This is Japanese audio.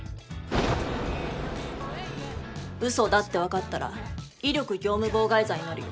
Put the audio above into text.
うそだって分かったら威力業務妨害罪になるよ。